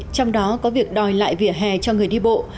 trong đó có việc đòi lại vỉa hè cho người đi bộ